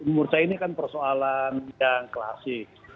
murca ini kan persoalan yang klasik